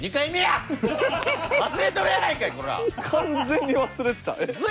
完全に忘れてた。